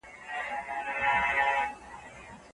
روښانه فکر راتلونکی نه کموي.